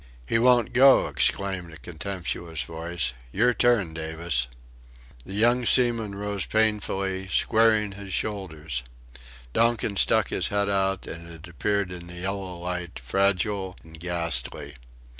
"He won't go," exclaimed a contemptuous voice, "your turn, Davis." The young seaman rose painfully, squaring his shoulders. Donkin stuck his head out, and it appeared in the yellow light, fragile and ghastly.